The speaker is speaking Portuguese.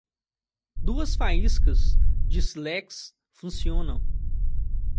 Duas faíscas de sílex funcionam.